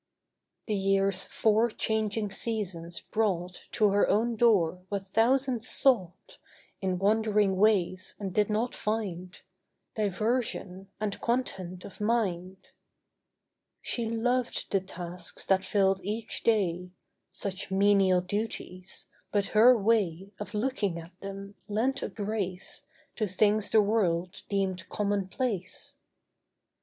The year's four changing seasons brought To her own door what thousands sought In wandering ways and did not find— Diversion and content of mind. She loved the tasks that filled each day— Such menial duties; but her way Of looking at them lent a grace To things the world deemed commonplace.